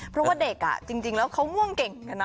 เพราะว่าเด็กจริงแล้วเขาง่วงเก่งกันนะ